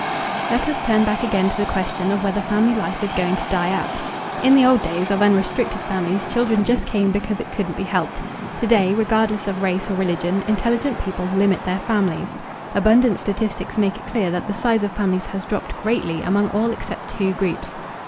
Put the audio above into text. Let us turn back again to the question of whether family life is going to die out. In the old days of unrestricted families children just came because it couldn't be helped. Today, regardless of race or religion, intelligent people limit their families. Abundant statistics make it clear that the size of families has dropped greatly among all except two groups.